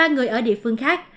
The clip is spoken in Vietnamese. ba người ở địa phương khác